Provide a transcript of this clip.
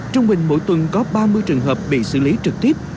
trong mình mỗi tuần có ba mươi trường hợp bị xử lý trực tiếp